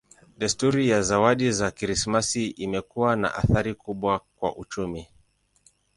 Desturi ya zawadi za Krismasi imekuwa na athari kubwa kwa uchumi.